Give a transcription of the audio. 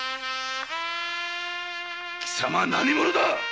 貴様何者だ！